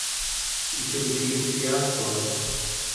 itumciyugyaaqua